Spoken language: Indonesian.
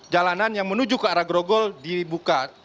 jalanan yang menuju ke arah grogol dibuka